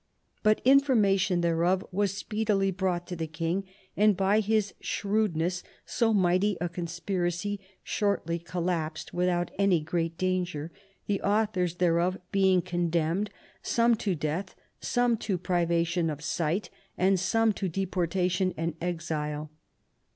But information thereof was speedily brought to the king, and by his shrewdness so mighty a conspiracy shortly collapsed without any great danger, the authors thereof being condemned, some to death, some to privation of sight, and some to deportation and exile."